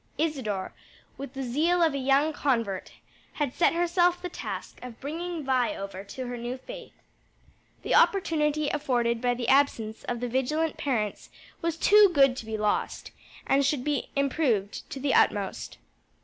Isadore with the zeal of a young convert, had set herself the task of bringing Vi over to her new faith. The opportunity afforded by the absence of the vigilant parents was too good to be lost, and should be improved to the utmost.